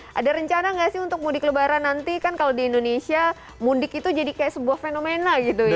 jadi selain itu karena kita berarti ada rencana untuk mudik lebaran nanti kan kalau di indonesia mudik itu jadi kayak sebuah fenomena gitu ya